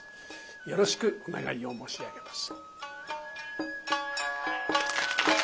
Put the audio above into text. よろしくお願いを申し上げます。